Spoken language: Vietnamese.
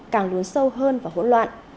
càng lún sâu hơn và hỗn loạn